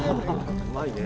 うまいね。